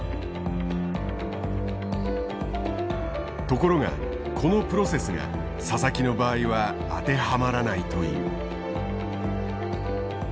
ところがこのプロセスが佐々木の場合は当てはまらないという。